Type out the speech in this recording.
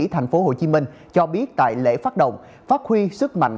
thành phố hồ chí minh cho biết tại lễ phát động phát huy sức mạnh